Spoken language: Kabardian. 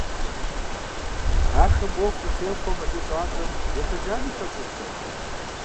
Ахэм уэгъу къатехъуэу мэжэщӀалӀэм ихьыжами, хэтщӀыкӀрэ?